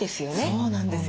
そうなんですよ。